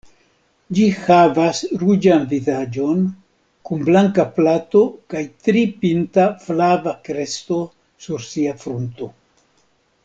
Ĝi havas ruĝan vizaĝon kun blanka plato, kaj tri-pinta flava kresto sur sia frunto.